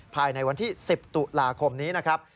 ภายในวันที่๑๐ตุลาคมนี้นะครับ